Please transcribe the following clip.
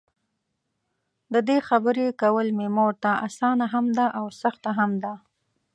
ددې خبري کول مې مورته؛ اسانه هم ده او سخته هم ده.